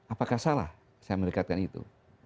apakah salah saya mendekatkan itu